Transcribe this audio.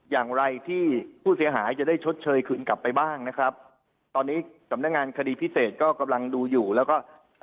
อย่างไรที่ผู้เสียหายจะได้ชดเชยคืนกลับไปบ้างนะครับตอนนี้สำนักงานคดีพิเศษก็กำลังดูอยู่แล้วก็